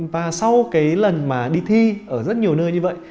và sau cái lần mà đi thi ở rất nhiều nơi như vậy